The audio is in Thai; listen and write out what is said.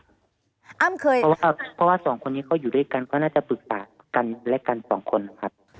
เพราะว่าสองคนนี้เขาอยู่ด้วยกันก็น่าจะปรึกษากันด้วยกันสองคนครับ